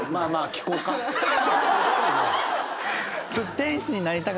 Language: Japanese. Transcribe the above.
聞こうか。